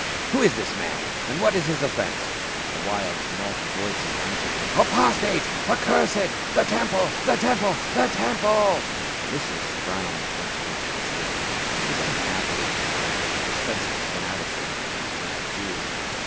"Who is this man, and what is his offence ?" A wild tumult of voices answered him. "Apos tate ! Accursed ! The Temple — The Temple — The Temple !" Lysias frowned contemptuously ; he was unhappily familiar with the senseless fanaticism of these mad Jews.